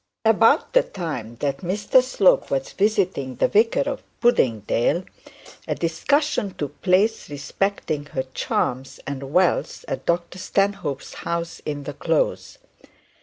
About the time that Mr Slope was visiting the vicar of Puddingdale, a discussion took place respecting her charms and wealth at Dr Stanhope's house in the close.